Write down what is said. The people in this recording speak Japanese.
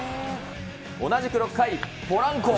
同じく６回、ポランコ。